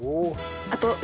あと。